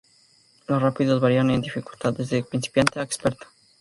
Los Rápidos varían en dificultad, desde principiante a experto.